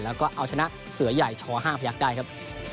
แล้วก็เอาชนะเสือใหญ่ช๕พยักษ์ได้ครับ